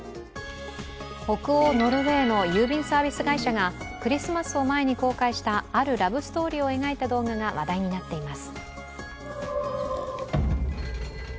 北欧ノルウェーの郵便サービス会社がクリスマスを前に公開した、あるラブストーリーを描いた動画が話題になっています。